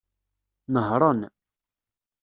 Nehṛen.